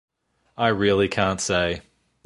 I really can’t say